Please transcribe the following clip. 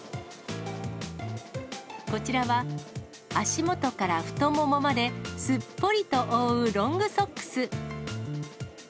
こちらは、足元から太ももまですっぽりと覆うロングソックス。